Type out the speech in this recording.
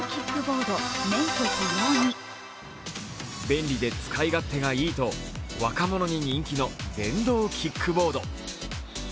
便利で使い勝手がいいと、若者に人気の電動キックボード。